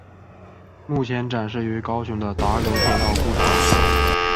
目前展示于高雄的打狗铁道故事馆。